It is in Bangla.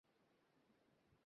ঐ দেখ, ওসাইদ ইবনে হুযাইর আসছে।